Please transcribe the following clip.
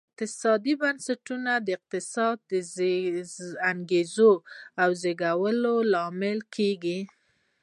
اقتصادي بنسټونه د اقتصادي انګېزو د زېږولو لامل کېږي.